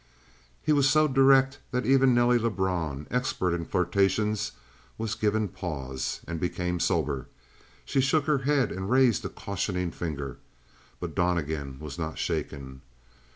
He was so direct that even Nelly Lebrun, expert in flirtations, was given pause, and became sober. She shook her head and raised a cautioning finger. But Donnegan was not shaken.